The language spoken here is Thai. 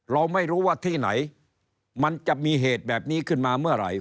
เราไม่รู้ว่าที่ไหนมันจะมีเหตุแบบนี้ขึ้นมาเมื่อไหร่